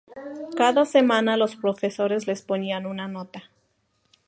Cada semana, los profesores les ponían una nota.